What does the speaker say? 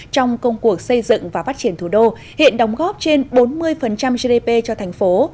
trong công cuộc xây dựng và phát triển thủ đô hiện đóng góp trên bốn mươi gdp cho thành phố